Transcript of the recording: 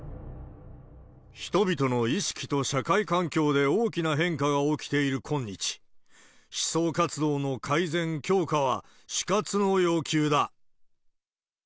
人々の意識と社会環境で大きな変化が起きている今日、思想活動の改善、強化は死活の要求だ。